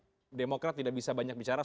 atau sby maka demokrat tidak bisa banyak bicara